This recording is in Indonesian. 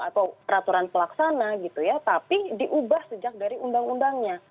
atau peraturan pelaksana gitu ya tapi diubah sejak dari undang undangnya